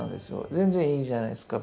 全然いいじゃないですか。